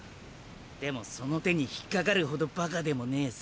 でもその手に引っかかるほどバカでもねえさ。